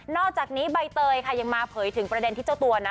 อกจากนี้ใบเตยค่ะยังมาเผยถึงประเด็นที่เจ้าตัวนะ